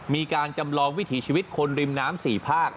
มีการจำลองวิถีชีวิตคนริมน้ำ๔ภาค